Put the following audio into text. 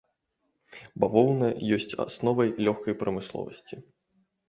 Бавоўна ёсць асновай лёгкай прамысловасці.